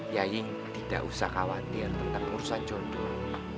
yaying tidak usah khawatir tentang urusan jodoh